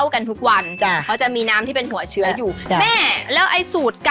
กรอบว่าข้ามันเป็นข้าวแห้ง